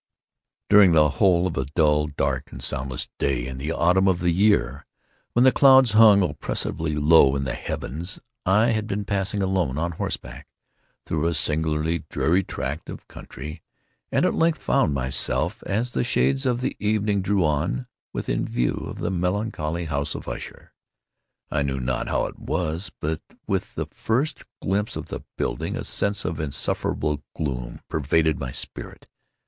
During the whole of a dull, dark, and soundless day in the autumn of the year, when the clouds hung oppressively low in the heavens, I had been passing alone, on horseback, through a singularly dreary tract of country; and at length found myself, as the shades of the evening drew on, within view of the melancholy House of Usher. I know not how it was—but, with the first glimpse of the building, a sense of insufferable gloom pervaded my spirit.